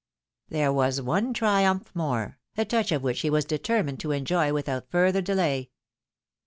There was one triumph more, a touch of which he was determined to enjoy without further delay.